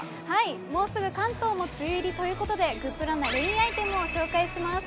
もうすぐ関東も梅雨入りということで、グップラなレインアイテムをご紹介します。